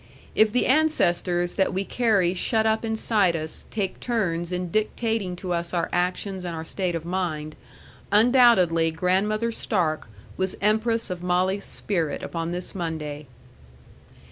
If the ancestors that we carry shut up inside us take turns in dictating to us our actions and our state of mind, undoubtedly Grandmother Stark was empress of Molly's spirit upon this Monday.